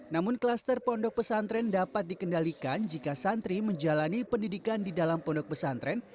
namun kluster pondok pesantren dapat dikendalikan jika santri menjalani pendidikan di dalam pondok pesantren